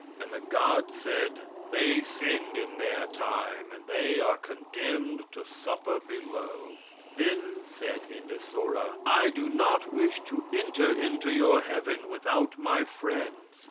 And the god said: "They sinned in their time, and they are condemned to suffer below." Then said Endestbora: "I do not wish to enter into your heaven without my friends.